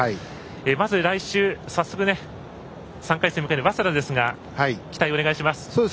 まず来週、早速３回戦を迎える早稲田ですが期待をお願いします。